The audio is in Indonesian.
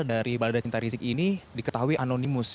dari badacinta rizik ini diketahui anonimus